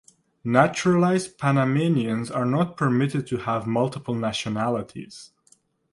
Naturalized Panamanians are not permitted to have multiple nationalities.